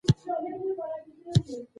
ماشومان د پلار د هڅو له امله خوشحال وي.